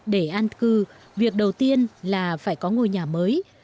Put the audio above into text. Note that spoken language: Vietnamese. để an cư việc đầu tiên là phải có ngôi nhà mới